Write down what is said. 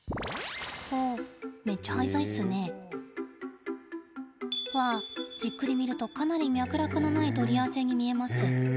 おおめっちゃ廃材っすねえ。わあじっくり見るとかなり脈絡のない取り合わせに見えます。